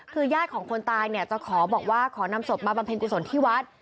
คือญาติของคนตายเนี่ยจะขอบอกว่าขอนำศพมาบำเพ็ญกุศลที่วัด